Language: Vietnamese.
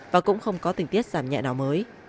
và cũng không có tình tiết giảm nhẹ nào mới